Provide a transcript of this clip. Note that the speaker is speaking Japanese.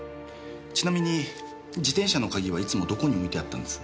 ちなみに自転車の鍵はいつもどこに置いてあったんです？